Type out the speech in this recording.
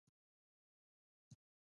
ولاړې که نه؟